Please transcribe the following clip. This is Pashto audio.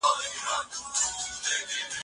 څه شی د ماشومانو ناوړه ګټه اخیستنه مخنیوی کوي؟